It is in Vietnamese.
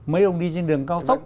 mấy ông đi trên đường cao tốc